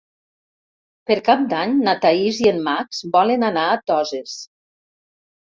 Per Cap d'Any na Thaís i en Max volen anar a Toses.